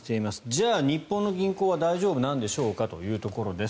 じゃあ、日本の銀行は大丈夫なんでしょうかというところです。